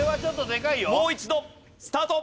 もう一度スタート。